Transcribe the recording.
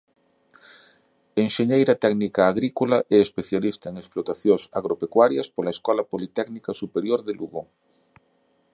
Enxeñeira técnica agrícola e especialista en Explotacións Agropecuarias pola Escola Politécnica Superior de Lugo.